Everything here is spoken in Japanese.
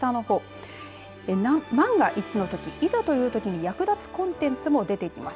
その下のほう万が一のとき、いざというときに役立つコンテンツも出てきます。